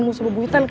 gimana sih belaan nih